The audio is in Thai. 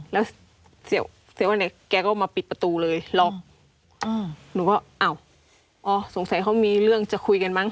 แล้วเสียว่าเนี่ยแกก็มาปิดประตูเลยล็อกหนูก็อ้าวอ๋อสงสัยเขามีเรื่องจะคุยกันมั้